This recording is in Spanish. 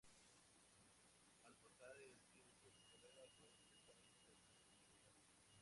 Al pasar el tiempo, su carrera se empezó a internacionalizar.